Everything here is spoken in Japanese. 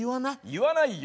言わないよ。